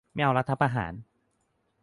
ไม่เอารัฐประหาร